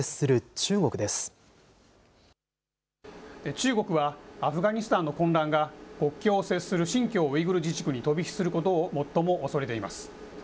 中国は、アフガニスタンの混乱が、国境を接する新疆ウイグル自治区に飛び火することを最も恐れています。